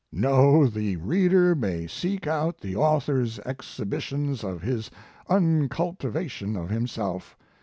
"No, the reader may seek out the author s exhibitions of his uncultivation of himself.